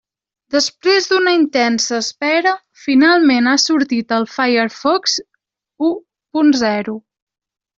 Després d'una intensa espera, finalment ha sortit el Firefox u punt zero.